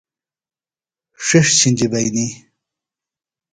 ݜِݜ چِھنجیۡ بئنی۔